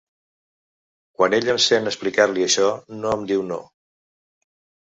Quan ell em sent explicar-li això, no em diu no.